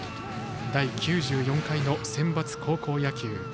第９４回のセンバツ高校野球。